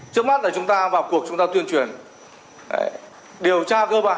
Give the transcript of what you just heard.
trước mắt là chúng ta vào cuộc chúng ta tuyên truyền điều tra cơ bản là tuyên truyền